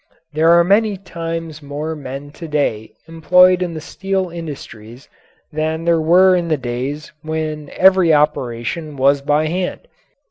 There are many times more men to day employed in the steel industries than there were in the days when every operation was by hand.